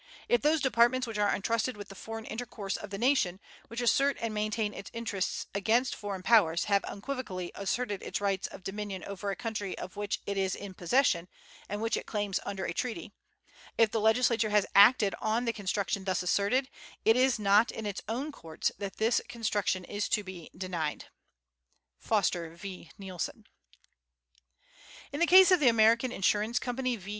If those departments which are entrusted with the foreign intercourse of the nation, which assert and maintain its interests against foreign powers have unequivocally asserted its rights of dominion over a country of which it is in possession, and which it claims under a treaty; if the legislature has acted on the construction thus asserted, it is not in its own courts that this construction is to be denied." (Foster v. Neilson). In the case of the American Insurance Company v.